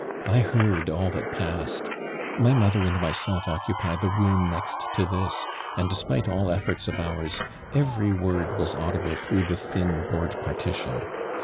"I heard all that passed. My mother and myself occupy the room next to this, and, despite all efforts of ours, every word was audible through the thin board partition.